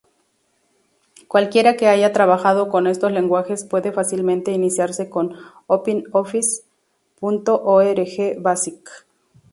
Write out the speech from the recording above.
Cualquiera que haya trabajado con estos lenguajes puede fácilmente iniciarse con OpenOffice.org Basic.